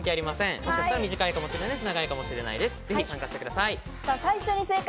もしかしたら短いかもしれません。